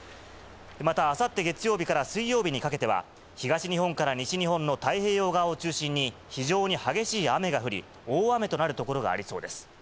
また、あさって月曜日から水曜日にかけては、東日本から西日本の太平洋側を中心に、非常に激しい雨が降り、大雨となる所がありそうです。